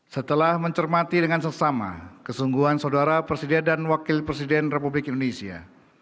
setelah mencermati dengan sesama kesungguhan saudara presiden dan wakil presiden republik indonesia